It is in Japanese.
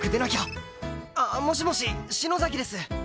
あもしもし篠崎です。